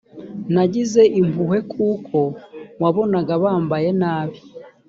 nagize impuhwe kuko wabonaga bambaye nabi